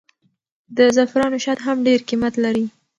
د زعفرانو شات هم ډېر قیمت لري.